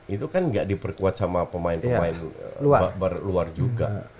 itu kan nggak diperkuat sama pemain pemain luar juga